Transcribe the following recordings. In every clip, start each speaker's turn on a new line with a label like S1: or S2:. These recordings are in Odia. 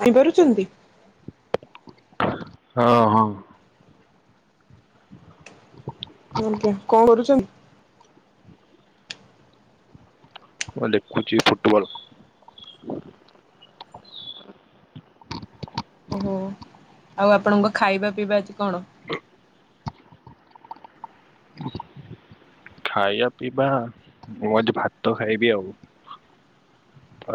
S1: ଆଣିପାରୁଚନ୍ତି?
S2: ହଁ ହଁ।
S1: ଆଜ୍ଞା କଣ କରୁଛନ୍ତି?
S2: ମୁଁ ଲେଖୁଛି ଫୁଟବଲ।
S1: ଓହୋ। ଆଉ ଆପଣଙ୍କ ଖାଇବା ପିଇବା ଅଜି କଣ?
S2: ଖାଇବା ପିଇବା ମୁଁ ଆଜି ଭାତ ଖାଇବି ଆଉ।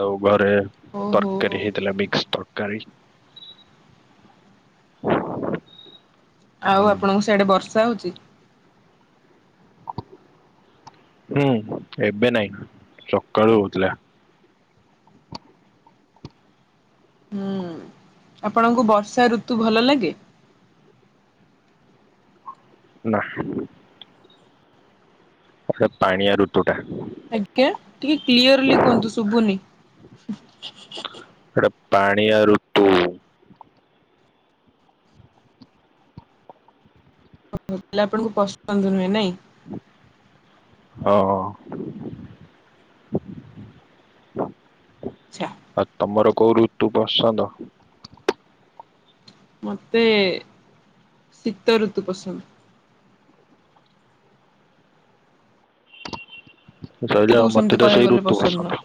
S2: ଆଉ ଘରେ
S1: ଓହୋ
S2: ତରକାରୀ ହେଇଥିଲା ମିକ୍ସ ତରକାରୀ।
S1: ଆଉ
S2: ହୁଁ
S1: ଆପଣଙ୍କ ସେଇଆଡେ ବର୍ଷା ହଉଛି?
S2: ଏବେ ନାଇଁ ସକାଳୁ ହଉଥିଲା।
S1: ହୁଁ। ଆପଣଙ୍କୁ ବର୍ଷା ଋତୁ ଭଲ ଲାଗେ?
S2: ନା। ସେ ପାଣିଆ ଋତୁଟା।
S1: ଆଜ୍ଞା ଟିକେ କ୍ଲିୟରଲି କୁହନ୍ତୁ ଶୁଭୁନି। [inaudible]
S2: ଏଟା ପାଣିଆ ଋତୁ।
S1: [inaudible] ଆପଣଙ୍କୁ ପସନ୍ଦ ନୁହେଁ ନାଇଁ?
S2: ହଁ ହଁ।
S1: ଆଛା।
S2: ଆଉ ତମର କୋଉ ଋତୁ ପସନ୍ଦ?
S1: ମତେ ଶୀତ ଋତୁ ପସନ୍ଦ। ତୁ
S2: ସରିଲା ଆଉ
S1: ସେମିତି
S2: ମତେ ଟା
S1: କହିବାକୁ
S2: ସେଇ
S1: ଗଲେ
S2: ଋତୁ
S1: ନୁହଁ।
S2: ପସନ୍ଦ।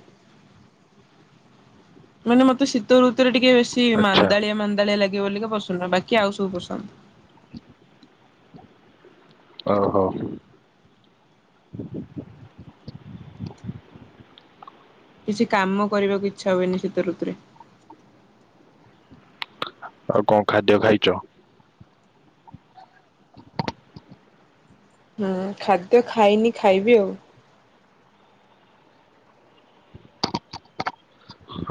S1: ମାନେ ମତେ ଶୀତ ଋତୁରେ ଟିକେ ବେଶୀ
S2: ଆଚ୍ଛା
S1: ମାନ୍ଦାଳିଆ ମାନ୍ଦାଳିଆ ଲାଗିବ ବୋଲି କା ପସନ୍ଦ ନୁହଁ ବାକି ଆଉ ସବୁ ପସନ୍ଦ।
S2: ଓହୋ।
S1: କିଛି କାମ କରିବାକୁ ଇଚ୍ଛା ହୁଏନି ଶୀତ ଋତୁରେ।
S2: ଆଉ କଣ ଖାଦ୍ୟ ଖାଇଛ?
S1: ହୁଁ ଖାଦ୍ୟ ଖାଇନି ଖାଇବି ଆଉ।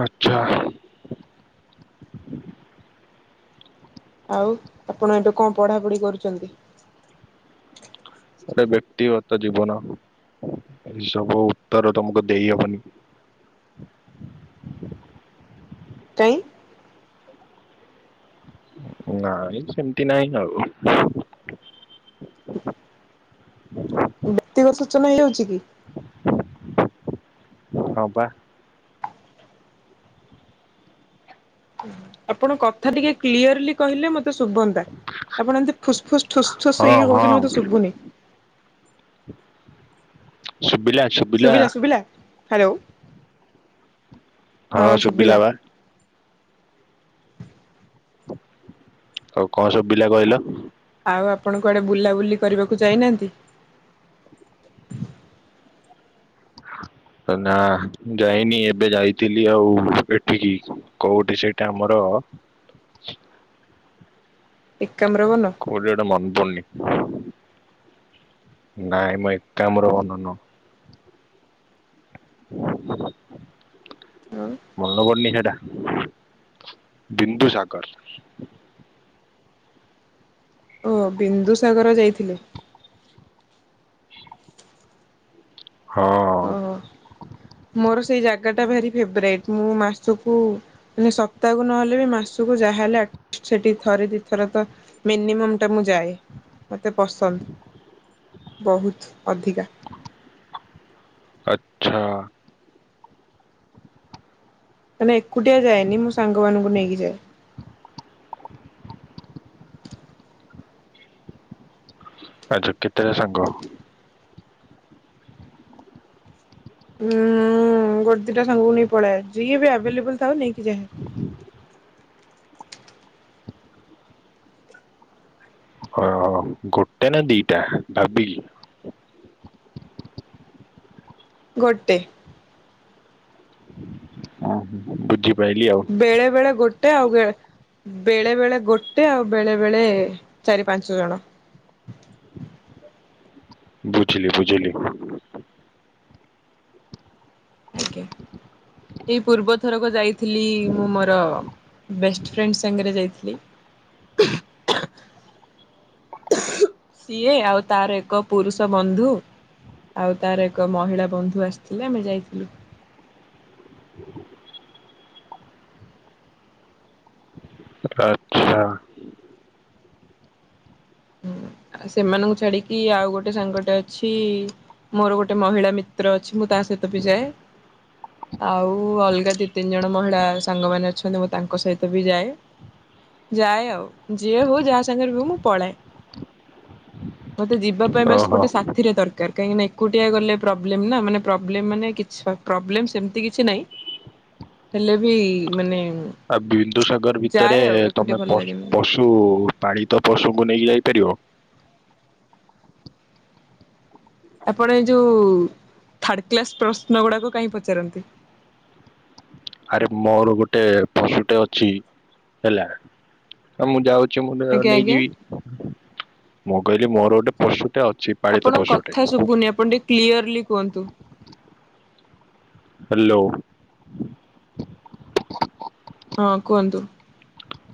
S2: ଆଛା।
S1: ଆଉ ଆପଣ ଏବେ କଣ ପଢ଼ାପଢ଼ି କରୁଛନ୍ତି?
S2: ଏଇଟା ବ୍ୟକ୍ତିଗତ ଜୀବନ ଏ ସବୁ ଉତ୍ତର ତମକୁ ଦେଇହବନି।
S1: କାଇ?
S2: ନାଇଁ ସେମତି ନାହିଁକା ଆଉ।
S1: ବ୍ୟତିକ ସୂଚନା ହେଇ ଯାଉଛି କି
S2: ହଁ, ବା।
S1: ଆପଣ କଥା ଟିକେ କ୍ଲିୟରଲି କହିଲେ ମତେ ଶଭନ୍ତା। ଆପଣ ଏମିତି ଫୁସ୍, ଫୁସ୍ ଠୁସ୍, ଠୁସ୍
S2: ହଁ
S1: ହେଇକି
S2: ହଁ
S1: କହୁଛନ୍ତି, ମତେ ଶୁଭୁନି।
S2: ସୁବିଲା ସୁବ
S1: ସୁୁଭିଲା ସୁୁଭିଲା ହେଲୋ।
S2: ହଁ, ଶୁଭିଲା ବା। ଆଉ କଣ ସୁବିଲା କହିଲ?
S1: ଆଉ ଆପଣ କୁଆଡ଼େ ବୁଲା ବୁଲି କରିବାକୁ ଯାଇଁ ନାହାନ୍ତି?
S2: ନା ମୁ ଯାଇନି ଏବେ ଯାଇଥିଲି ଆଉ ଏଠିକି କୋଉଠି ସେଇଟା ଆମର?
S1: ଏକାମ୍ର ବନ।
S2: କୋଉଠି ଗୋଟେ ମନ୍ ପଡ଼ୁନି ନାହିଁମ ଏକାମ୍ର ବନ ନୁହଁ। [inaudible]
S1: [unintelligible]
S2: ମନ ପଡ଼ୁନି ଜାଗା ଟା ବିିନ୍ଦୁ ସାଗର।
S1: ଓ ବିନ୍ଦୁ ସାଗର ଯାଇଥିଲେ।
S2: ହଁ।
S1: ଓହୋ ମୋର ସେଇ ଜାଗାଟା ଭାରି ଫେବରାଇଟ ମୁଁ ମାସକୁ ମାନେ ସପ୍ତାହକୁ ନହେଲେ ବି ମାସକୁ ଯାହା ହେଲା ସେଠି ଥରେ ଦିଇ ଥର ତ ମିନିମମ୍ ଟା ମୁଁ ଯାଏ ମତେ ପସନ୍ଦ ବହୁତ ଅଧିକା।
S2: ତା
S1: ମାନେ ଏକୁଟିଆ ଯାଏନି ମୁଁ ସାଙ୍ଗମାନଙ୍କୁ ନେଇକି ଯାଏ।
S2: ଆଚ୍ଛା କେତେଟା ସାଙ୍ଗ?
S1: ଉଁ ଗୋଟେ ଦିଇଟା ସାଙ୍ଗକୁ ନେଇ ପଳାଏ ଯିଏ ବି ଆଭେଲେବୁଲ୍ ଥାଏ ନେଇକି ଯାଏହା
S2: ହଁ ହଁ ଗୋ ଟେ ନା ଦିଟା ଭାବିକି?
S1: ଗୋଟେ।
S2: [unintelligible] ବୁଝିପାଇଲି ଆଉ।
S1: ବେଳେ ବେଳେ ଗୋଟେ ଆଉ ବେ ବେଳେ ବେଳେ ଗୋଟେ ଆଉ ବେଳେ ବେଳେ ଚାରି ପାଞ୍ଚ ଜଣ।
S2: ଝିଲି ବୁଝିଲି।
S1: ଆଜ୍ଞା। ଏଇ ପୂର୍ବଥରକ ଯାଇଥିଲି ମୁଁ ମର ବେଷ୍ଟ ଫ୍ରେଣ୍ଡ ସାଙ୍ଗରେ ଯାଇଥିଲି। ସିଏ ଆଉ ତାର ଏକ ପୁରୁଷ ବନ୍ଧୁ। ଆଉ ତାର ଏକ ମହିଳା ବନ୍ଧୁ ଆସିଥିଲେ ଆମେ ଯାଇଥିଲୁ।
S2: ଆଚ୍ଛା
S1: ହୁଁ ଆ ସେମାନଙ୍କୁ ଛାଡ଼ିକି ଆଉ ଗୋଟେ ସାଙ୍ଗଟେ ଅଛି ମୋର ଗୋଟେ ମହିଳା ମିତ୍ର ଅଛି ମୁଁ ତା ସହିତ ବି ଯାଏ। ଆଉ ଅଲଗା ଦି ତିନି ଜଣ ମହିଳା ସାଙ୍ଗମାନେ ଅଛନ୍ତି ମୁଁ ତାଙ୍କ ସହିତ ବି ଯାଏ। ଯାଏ ଆଉ ଯିଏ ହଉ ଯାହା ସାଙ୍ଗରେ ହଉ ମୁଁ ପଳାଏ। ମତେ ଯିବା ପାଇଁ ବାସ୍
S2: ଓହୋ।
S1: ଗୋଟେ ସା ଥିରେ ଦରକାର କାହିଁକି ନା ଏକୁଟିଆ ଗଲେ ପ୍ରୋବ୍ଲେମ୍ ନା ମାନେ ପ୍ରୋବ୍ଲେମ୍ ମାନେ କିଛି ପ୍ରୋବ୍ଲେମ୍ ସେମିତି କିଛି ନାହିଁ।
S2: [inaudible]
S1: ହେଲେ ବି ମାନେ
S2: ଆ ବିନ୍ଦୁସାଗର ଭିତରେ
S1: ଯାଏ ଆଉ ଏକୁଟିଆ
S2: ତମେ
S1: ଭଲ
S2: ପସ୍
S1: ଲାଗେନି।
S2: ପଶୁ କୁ ପାଳିତ ପଶୁଙ୍କୁ ନେଇକି ଯାଇପାରିବ?
S1: ଆପଣ ଏ ଯୋଉ ଥାର୍ଡ କ୍ଲାସ ପ୍ରଶ୍ନ ଗୁଡ଼ାକ କାହିଁ ପଚାରନ୍ତି?
S2: ଆରେ ମୋର ଗୋଟେ ପଶୁଟେ ଅଛି ହେଲା। ମୁଁ ଯାଉଛି ମୁଁ
S1: ଆଜ୍ଞା ଆଜ୍ଞା
S2: ନେଇଯିବି ମୁଁ କହିଲି ମୋର ଗୋଟେ ପଶୁଟା ଅଛି। ପାଳିତ
S1: ଆପଣଙ୍କ
S2: ପଶୁଟେ
S1: କଥା ଶୁଭୁନି ଆପଣ ଟିକେ କ୍ଲିୟରଲି କୁହନ୍ତୁ।
S2: ହ୍ୟାଲୋ।
S1: ହଁ କୁହନ୍ତୁ।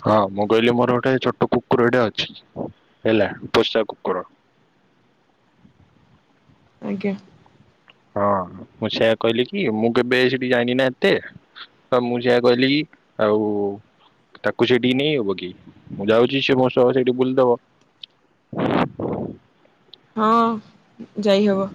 S2: ହଁ ମୁଁ କହିଲି ମୋର ଗୋଟେ ଛୋଟ କୁକୁରଟେ ଅଛି ହେଲା ପୋଷା କୁକୁର
S1: ଆଜ୍ଞା।
S2: ହଁ ମୁଁ ସେୟା କହିଲି କି ମୁଁ କେବେ ସେଇଠିକି ଯାଇନି ନା ଏତେ। ହଁ ମୁଁ ଯାଆ କହିଲି ଆଉ ତାକୁ ସେଠିକି ନେଇ ହବ କି ମୁଁ ଯାଉଚି ସେ ମୋ ସହ ସେଇଠି ବୁଲିଦବ?
S1: ହଁ ଯାଇହବ।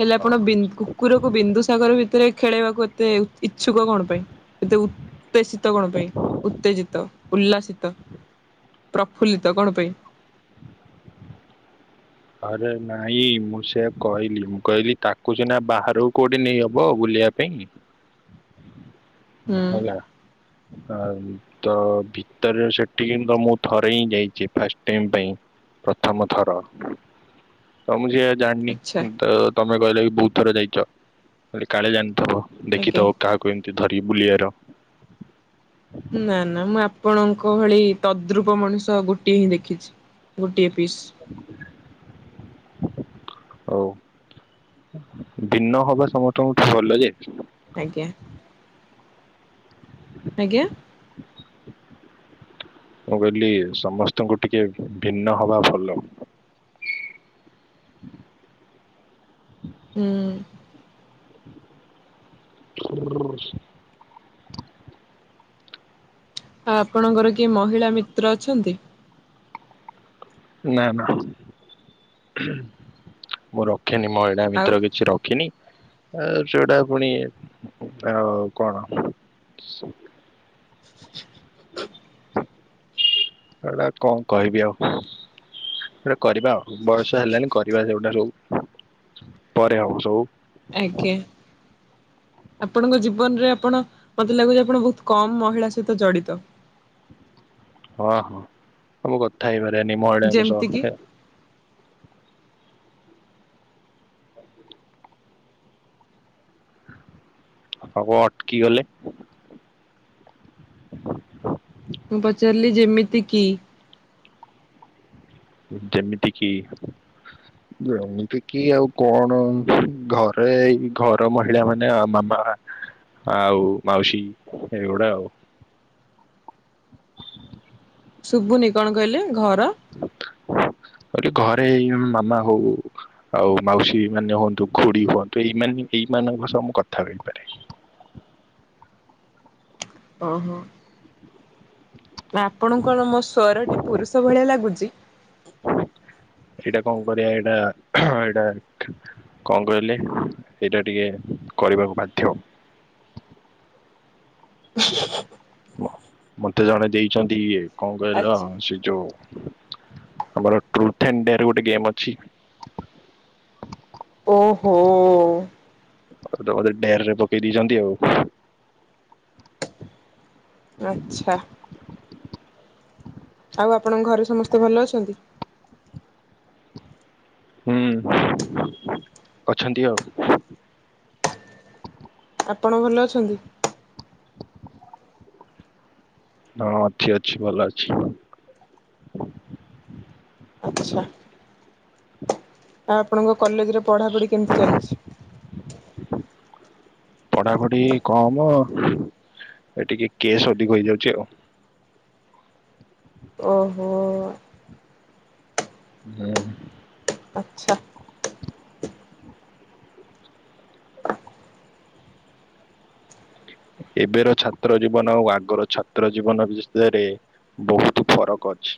S1: ହେଲେ ଆପଣ
S2: ହଁ
S1: ବି କୁକୁରକୁ ବିନ୍ଦୁସାଗର ଭିତରେ ଖେଳେଇବାକୁ ଏତେ ଇଚ୍ଛୁକ କଣ ପାଇଁ ଏତେ ଉ ଉତ୍ତେତ୍ସିତ କଣ ପାଇଁ ଉତ୍ତେଜିତ ଉଲ୍ଲାସିତ ପ୍ରଫୁଲ୍ଲିତ କଣ ପାଇଁ?
S2: ଆରେ ନାଇଁ ମୁଁ ସେୟା କହିଲି ମୁଁ କହିଲି ତାକୁ ସିନା ବାହାରକୁ କୋଉଠି ନେଇହବ ବୁଲିବା ପାଇଁ।
S1: ହୁଁ
S2: ହେଲା? ତ ଭିତରେ ସେଠି କି ମୁଁ ଥରେ ହିଁ ଯାଇଚି ଫାଷ୍ଟ ଟାଇ ପାଇଁ। ପ୍ରଥମ ଥର। ତ ମୁଁ ଯେ ଜାଣିନି
S1: ଆଚ୍ଛା
S2: ତ ତମେ କହିଲ କି ବହୁତ ଥର ଯାଇଚ ବଲି କାଳେ ଜାଣିଥିବ।
S1: ଆଜ୍ଞା।
S2: ଦେଖିଥବ କାହାକୁ ଏମିତି ଧରି ବୁଲିବାର।
S1: ନା ନା ମୁଁ ଆପଣଙ୍କ ଭଳି ତଦ୍ରୁପ ମଣିଷ ଗୋଟିଏ ହିଁ ଦେଖିଚି। ଗୋଟିଏ ପିସ୍।
S2: [unintelligible] ହଉ ଭିନ୍ନ ହବା ସମସ୍ତଙ୍କୁଠୁ ଭଲ ଯେ।
S1: ଆଜ୍ଞା। ଆଜ୍ଞା।
S2: [inaudible] ମୁଁ କହିଲି ସମସ୍ତଙ୍କୁ ଟିକେ ଭିନ୍ନ ହବା ଭଲ।
S1: ହୁଁ।
S2: [unintelligible]
S1: ଆପଣଙ୍କର କିଏ ମହିଳା ମିତ୍ର ଅଛନ୍ତି?
S2: ନା ନା ମୁଁ ରଖେନି ମହିଳା
S1: ଆଉ
S2: ମିତ୍ରକିଛି ର ଖିନି ଆଉ ଯୋଉଟା ପୁଣି ଆ କଣ
S1: [unintelligible]
S2: ସେଗୁଡାକଣ କହିବି ଆଉ? ସେଟା କରିବା ଆଉ ବୟସ ହେଲାଣି କରିବା ଯଉଟା ହେଲେ ଆଉ ପରେ ଆଉ ହଉ
S1: ଆଜ୍ଞା। ଆପଣଙ୍କ ଜୀବନରେ ଆପଣ ମତେ ଲାଗୁଚି ଆପଣ ବହୁତ କମ ମହିଳା ସହିତ ଜଡିତ?
S2: ହଁ ହଁ ସବୁ କଥା ହେଇପାରେନି ମହିଳାଙ୍କ
S1: ଯେମିତି
S2: ସହ।
S1: କିି
S2: [inaudible] ଆଉ ଅଟକିଗଲେ?
S1: ମୁଁ ପଚାରିଲି ଯେମିତି କି
S2: ଯେମିତି କିି ଯେମିତି କିି ଆଉ କଣ ଘରେ ଏ ଘର ମହିଳା ମାନେ ଆ ମା ମା ଆଉ ମାଉସୀ ଏଗୁଡା ଆଉ।
S1: ଶୁବୁନି କଣ କହିଲେ ଘର
S2: କହିଲି ଘରେ ଏଇ ମାମା ହଉ ଆଉ ମାଉସୀ ମାନେ ହୁଅନ୍ତୁ ଖୁଡ଼ି ହୁଅନ୍ତୁ ଏଇ ଏଇମାନଙ୍କ ସହ ମୁଁ କଥା ହେଇପାରେ।
S1: ଓହୋ ଆପଣଙ୍କ ମୋ ସ୍ଵରଟି ପୁରୁଷ ଭଳିଆ ଲାଗୁଚି?
S2: ଏଇଟା କଁ କରିବା ଏଇଟା ଏଇଟା କଁ କହିଲେ ଏଇଟା ଟିକେ କରିବାକୁ ବାଧ୍ୟ। ମତେ ଜଣେ ଦେଇଚନ୍ତି ଇଏ କଁ କହିଲ
S1: ଆଚ୍ଛା।
S2: ସେ ଯୋଉ ଆମର ଟ୍ରୁଥ୍ ଆଣ୍ଡ୍ ଡେଆର୍ ଗୋଟେ ଗେମ୍ ଅଛି।
S1: ଓହୋ।
S2: ଆଉ ତ ବୋଧେ ଡେଆର୍ ରେ ପକେଇ ଦେଇଚନ୍ତି ଆଉ।
S1: ଆଚ୍ଛା। ଆଉ ଆପଣଙ୍କ ଘରେ ସମସ୍ତେ ଭଲ ଅଛନ୍ତି?
S2: ହୁଁ ଅଛନ୍ତି ଆଉ।
S1: ଆପଣ ଭଲ ଅଛନ୍ତି?
S2: ହଁ ଅଛି ଅଛି ଭଲ ଅଛି।
S1: ଆଚ୍ଛା। ଆଉ ଆପଣଙ୍କ କଲେଜରେ ପଢାପଢି କେମିତି ଚାଲିଛି?
S2: [inaudible] ପଢାପଢି କମ ଏ ଟିକେ କେସ୍ ଅଧିକ ହେଇଯାଉଚି ଆଉ।
S1: ଓହୋ।
S2: ଉଁ।
S1: ଆଚ୍ଛା।
S2: [unintelligible] ଏବେର ଛାତ୍ର ଜୀବନ ଆଉ ଆଗର ଛାତ୍ର ଜୀବନ ବିଷୟରେ ବହୁତ୍ ଫରକ୍ ଅଛି।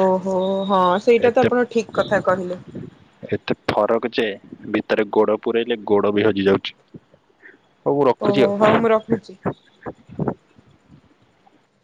S1: ଓହୋ ହଁ ସେଇଟା ତ
S2: ଏତେ
S1: ଆପଣ ଠିକ୍ କଥା କହିଲେ।
S2: ଫରକ୍ ଯେ ଭିତରେ ଗୋଡ ପୂୁରେଇଲେ ଗୋଡ ବି ହଜି ଯାଉଚି।
S1: ଓହୋ ହଉ ମୁଁ ରଖୁଚି।